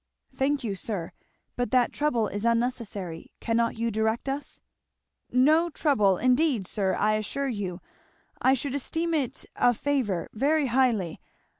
"Thank you, sir, but that trouble is unnecessary cannot you direct us?" "No trouble indeed sir, I assure you, I should esteem it a favour very highly.